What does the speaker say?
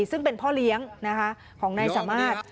ซึ่งเป็นพ่อเลี้ยงของนายสามารถ